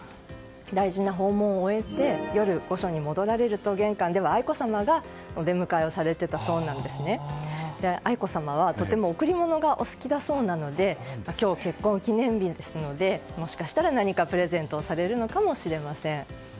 大事な訪問を終えて夜、御所に戻られると玄関では愛子さまがお出迎えされていたそうで愛子さまは、とても贈り物がお好きだそうなので今日、結婚記念日ですのでもしかしたら何かプレゼントをされるのかもしれません。